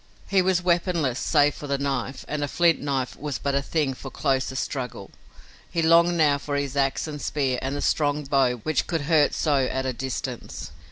He was weaponless, save for the knife, and a flint knife was but a thing for closest struggle. He longed now for his ax and spear and the strong bow which could hurt so at a distance.